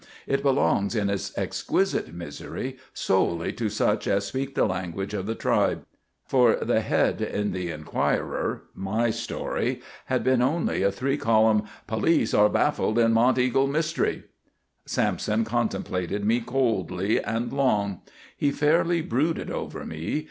It belongs in its exquisite misery solely to such as speak the language of the tribe. For the head in the Enquirer my story had been only a three column: POLICE ARE BAFFLED IN MONTEAGLE MYSTERY! Sampson contemplated me coldly and long; he fairly brooded over me.